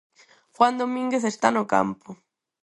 Juan Domínguez está no campo.